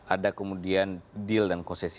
ada kemudian deal dan kosesi